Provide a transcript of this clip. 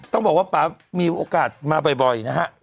ต้องบอกว่าป๊ามีโอกาสมาบ่อยนะฮะ